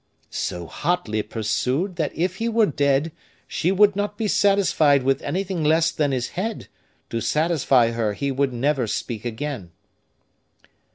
"So hotly pursued, that if he were dead, she would not be satisfied with anything less than his head, to satisfy her he would never speak again."